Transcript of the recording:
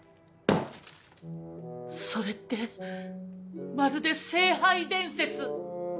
それってまるで聖杯伝説。